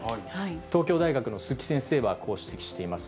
東京大学の鈴木先生はこう指摘しています。